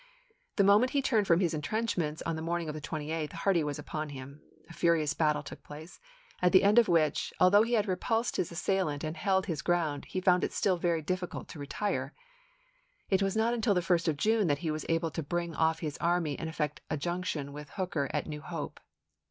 The moment he turned from his intrenchments, on the morning of the 28th, Hardee was upon him. A May,i864. furious battle took place, at the end of which, although he had repulsed his assailant and held his ground, he found it still very difficult to retire. It was not until the 1st of June that he was able to bring off his army and effect a junction with Hooker at New Hope.